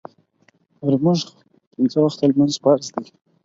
پۀ مونږ پينځۀ وخته مونځ فرض دے